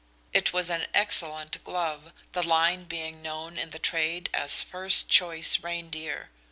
It was an excellent glove, the line being known in the trade as "first choice reindeer."